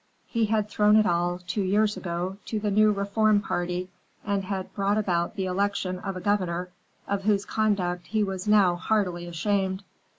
He had thrown it all, two years ago, to the new reform party, and had brought about the election of a governor of whose conduct he was now heartily ashamed.